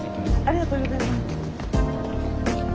ありがとうございます。